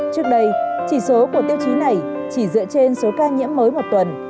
trước đây chỉ số của tiêu chí này chỉ dựa trên số ca nhiễm mới một tuần